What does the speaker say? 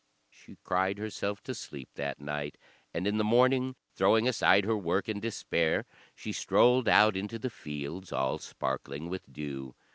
She cried herself to sleep that night, and in the morning, throwing aside her work in despair, she strolled out into the fields, all sparkling with dew.